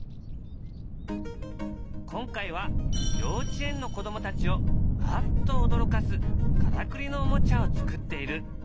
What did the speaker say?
今回は幼稚園の子どもたちをアッと驚かすからくりのおもちゃを作っている。